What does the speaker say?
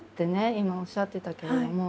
今おっしゃってたけども。